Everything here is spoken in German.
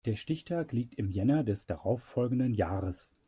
Der Stichtag liegt im Jänner des darauf folgenden Jahres.